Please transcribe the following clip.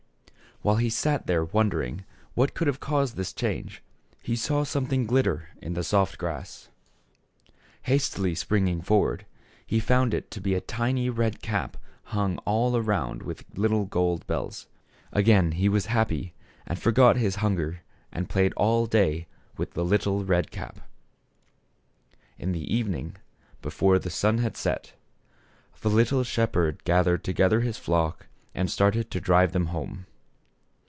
While he sat there wondering what could have caused this change, he saw something glitter in 58 THE S HEP HEED BOY. the soft grass. Hastily springing forward, he found it to be a tiny red cap hung all around with little gold bells. Again he was happy, and forgot his hunger, and played all day with the little red cap. In the evening, before the sun had set, the little shepherd gath ered together his flock and started to drive them home.